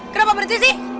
kenapa berenti sih